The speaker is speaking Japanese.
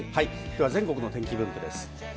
全国の天気です。